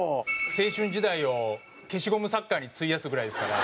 青春時代を消しゴムサッカーに費やすぐらいですから。